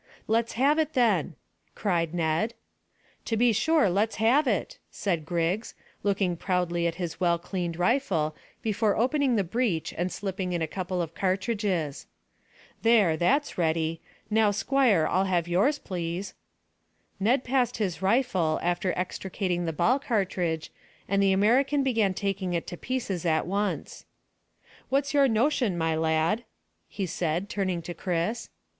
"Let's have it, then," cried Ned. "To be sure, let's have it," said Griggs, looking proudly at his well cleaned rifle, before opening the breech and slipping in a couple of cartridges. "There, that's ready. Now, squire, I'll have yours, please." Ned passed his rifle, after extracting the ball cartridge, and the American began taking it to pieces at once. "What's your notion, my lad?" he said, turning to Chris.